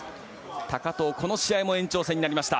高藤、この試合も延長戦になりました。